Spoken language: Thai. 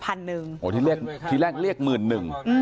ครัวที่แรกเรียก๑๐๐๐นึง